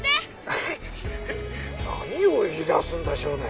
ハハハ何を言い出すんだ少年。